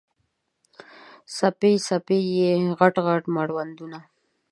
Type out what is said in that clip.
څپې، څپې یې، غټ مړوندونه